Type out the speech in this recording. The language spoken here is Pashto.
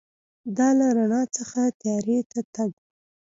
دا له رڼا څخه تیارې ته تګ و.